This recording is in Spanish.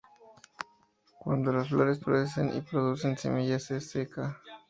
Cuando las flores florecen y producen semillas, se seca.